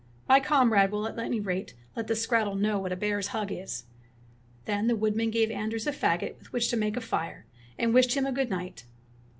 My comrade will at any rate let the skrattel know what a bear's hug is." Then the woodman gave Anders a fagot with which to make a fire, and wished him a good night.